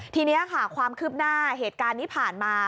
ทีนี้ค่ะความคืบหน้าเหตุการณ์นี้ผ่านมา